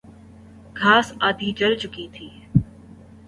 گھاس آدھی جل چکی تھی